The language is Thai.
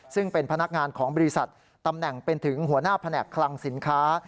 ซึ่งเป็นพนักงานของบริษัทตำแหน่งเป็นถึงหัวหน้าแผนกคลังสินค้า